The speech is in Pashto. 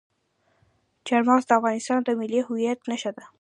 چار مغز د افغانستان د ملي هویت نښه ده.